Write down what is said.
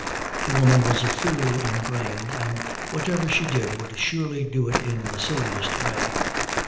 The woman was a fool in grain, and whatever she did would surely do it in the silliest way.